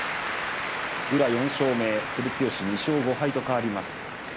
宇良４勝目照強２勝５敗と変わります。